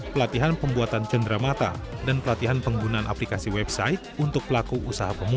pelatihan pembuatan cendera mata dan pelatihan penggunaan aplikasi website untuk pelaku usaha pemula